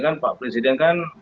kan pak presiden kan